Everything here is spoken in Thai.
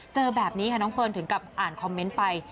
เจอแบบนี้ค่ะน้องเฟิร์นถึงกับอ่านคอมเมนต์ไป